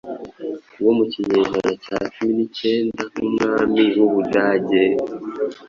wo mu kinyejana cya cumi nicyenda nk’Umwami w’u Budage,